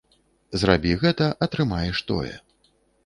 Зрабі гэта, атрымаеш тое.